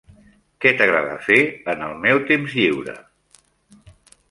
Què t'agrada fer en el meu temps lliure?